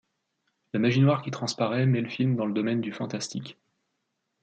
La magie noire qui transparait met le film dans le domaine du fantastique.